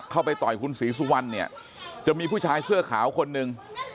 ไปต่อยคุณศรีสุวรรณเนี่ยจะมีผู้ชายเสื้อขาวคนหนึ่ง